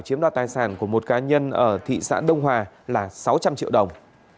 chiếm đoạt tài sản của một cá nhân ở thị xã đông hòa là sáu trăm linh triệu đồng